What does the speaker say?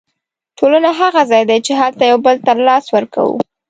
ټولنه هغه ځای دی چې هلته یو بل ته لاس ورکوو.